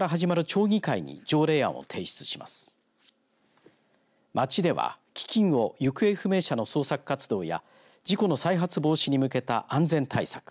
町では基金を行方不明者の捜索活動や事故の再発防止に向けた安全対策